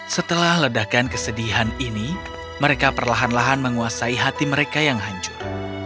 setelah ledakan kesedihan ini mereka perlahan lahan menguasai hati mereka yang hancur